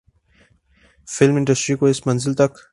film industry کو اس منزل تک